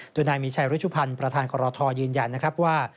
โดยนายมีชัยฤชุพรรณประธานกรทยืนยันว่า